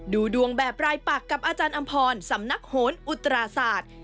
ดูดวงแบบรายปักกับอาจารย์อำพรสำนักโหนอุตราศาสตร์